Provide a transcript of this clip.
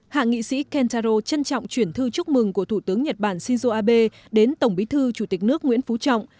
hạ nghị sĩ kentaro trân trọng chuyển thư chúc mừng của thủ tướng nhật bản shinzo abe đến tổng bí thư chủ tịch nước nguyễn phú trọng